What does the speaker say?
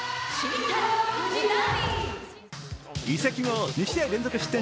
移籍後２試合連続失点